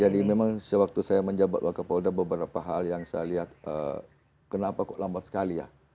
jadi memang sewaktu saya menjabat wakapolda beberapa hal yang saya lihat kenapa kok lambat sekali ya